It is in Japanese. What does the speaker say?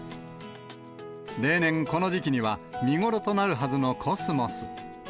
例年この時期には見頃となるはずのコスモス。